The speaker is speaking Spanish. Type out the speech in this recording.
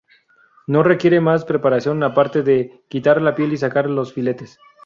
No requieren más preparación aparte de quitar la piel y sacar los filetes.